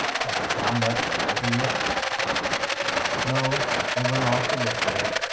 Have they found that treasure yet?" "No. They went off to look for it."